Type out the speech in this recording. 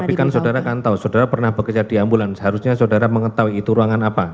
tapi kan saudara kan tahu saudara pernah bekerja di ambulans harusnya saudara mengetahui itu ruangan apa